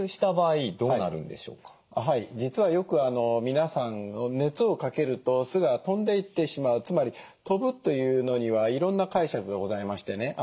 実はよく皆さん熱をかけると酢が飛んでいってしまうつまり飛ぶというのにはいろんな解釈がございましてね